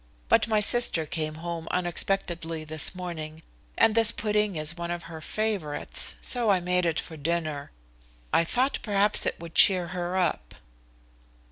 But my sister came home unexpectedly this morning, and this pudding is one of her favorites. So I made it for dinner. I thought perhaps it would cheer her up."